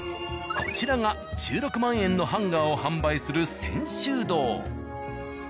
こちらが１６万円のハンガーを販売する。